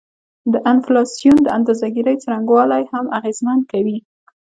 د انفلاسیون د اندازه ګيرۍ څرنګوالی هم اغیزمن کوي